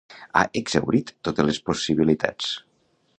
Ha exhaurit totes les possibilitats.